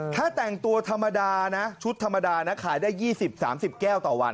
ถ้าแต่งตัวธรรมดานะชุดธรรมดานะขายได้๒๐๓๐แก้วต่อวัน